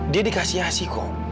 dia dikasih asih kok